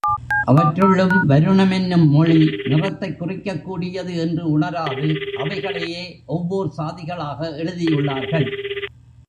அவற்றுள்ளும் வருணமென்னும் மொழி நிறத்தைக் குறிக்கக்கூடியது என்று உணராது அவைகளையே ஒவ்வோர் சாதிகளாக எழுதியுள்ளார்கள்.